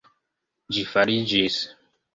Ĝi fariĝis!